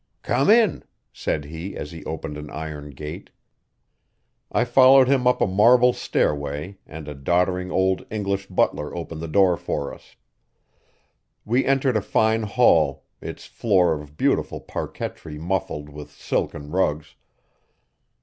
'Come in,' said he as he opened an iron gate. I followed him up a marble stairway and a doddering old English butler opened the door for us. We entered a fine hall, its floor of beautiful parquetry muffled with silken rugs.